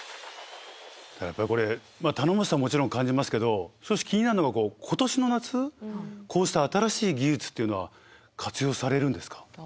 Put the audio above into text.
やっぱりこれ頼もしさもちろん感じますけど少し気になるのが今年の夏こうした新しい技術っていうのは活用されるんですか？